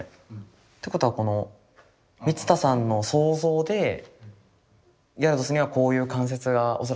ってことはこの満田さんの想像でギャラドスにはこういう関節が恐らくあるだろう。